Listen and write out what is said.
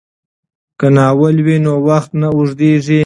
که ناول وي نو وخت نه اوږدیږي.